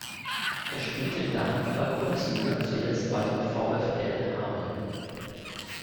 Er spielte in der Handball-Bundesliga zuletzt bei dem VfL Hameln.